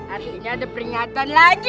artinya ada peringatan lagi